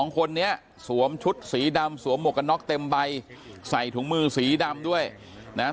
คนนี้สวมชุดสีดำสวมหมวกกันน็อกเต็มใบใส่ถุงมือสีดำด้วยนะฮะ